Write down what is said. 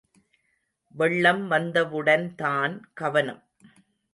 வெள்ளம் வந்தவுடன் தான் கவனம்.